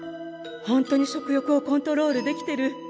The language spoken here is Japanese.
ホントに食欲をコントロールできてる。